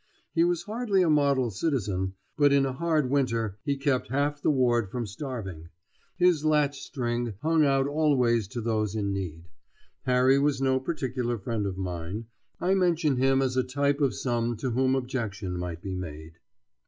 He was hardly a model citizen, but in a hard winter he kept half the ward from starving; his latch string hung out always to those in need. Harry was no particular friend of mine; I mention him as a type of some to whom objection might be made.